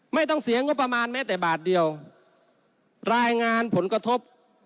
ไม่ต้องเสียงบประมาณแม้แต่บาทเดียวรายงานผลกระทบ